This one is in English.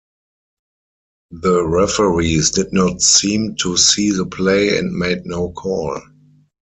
The referees did not seem to see the play and made no call.